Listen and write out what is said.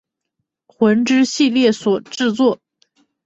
魂之系列所制作。